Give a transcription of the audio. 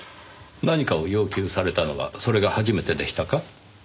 何かを要求されたのはそれが初めてでしたか？